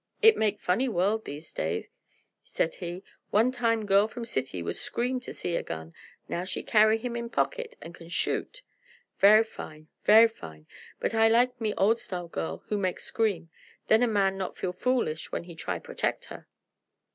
"It make funny world, these day," said he. "One time girl from city would scream to see a gun; now she carry him in pocket an' can shoot! Ver' fine; ver' fine. But I like me old style girl who make scream. Then a man not feel foolish when he try protect her."